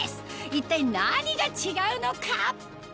一体何が違うのか？